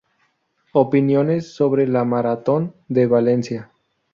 Opiniones sobre la Maratón de Valencia